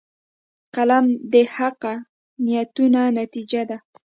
قلم د حقه نیتونو نتیجه ده